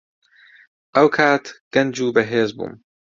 ئەو کات گەنج و بەهێز بووم.